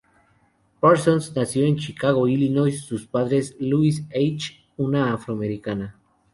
Parsons nació en Chicago, Illinois, sus padres Louise H., una afroamericana.